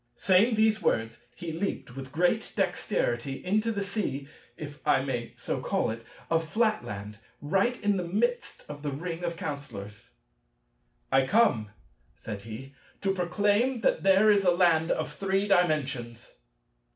Saying these words, he leaped with great dexterity into the sea (if I may so call it) of Flatland, right in the midst of the ring of Counsellors. "I come," said he, "to proclaim that there is a land of Three Dimensions."